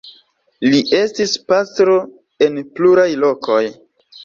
Li estis pastro en pluraj lokoj.